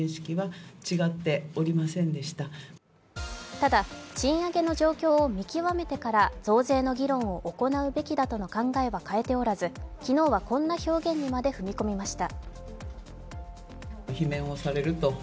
ただ、賃上げの状況を見極めてから増税の議論を行うべきだとの考えは変えておらず昨日はこんな表現にまで踏み込みました。